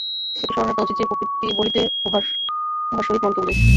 এটি স্মরণ রাখা উচিত যে, প্রকৃতি বলিতে উহার সহিত মনকেও বুঝাইতেছে।